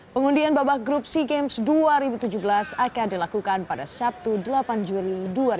pengundian babak grup sea games dua ribu tujuh belas akan dilakukan pada sabtu delapan juli dua ribu delapan belas